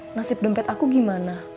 nasib dempet aku gimana